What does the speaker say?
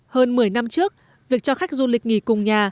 hơn một mươi năm trước việc cho khách du lịch nghỉ cùng nhà